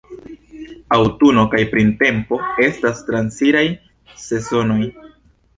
Aŭtuno kaj printempo estas transiraj sezonoj.